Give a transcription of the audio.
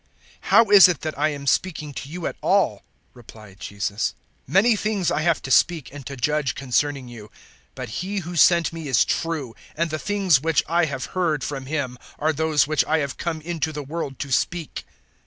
"How is it that I am speaking to you at all?" replied Jesus. 008:026 "Many things I have to speak and to judge concerning you. But He who sent me is true, and the things which I have heard from Him are those which I have come into the world to speak."